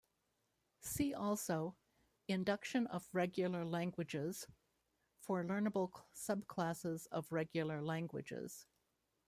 See also "Induction of regular languages" for learnable subclasses of regular languages.